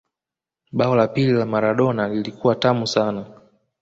bao la pili la Maradona lilikuwa tamu sana